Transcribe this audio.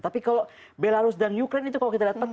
tapi kalau belarus dan ukraine itu kalau kita dapat